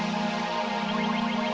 hasilnya jadi pemain